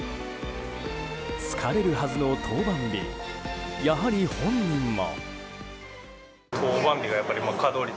疲れるはずの登板日やはり本人も。